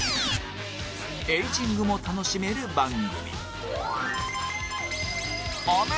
エイジングも楽しめる番組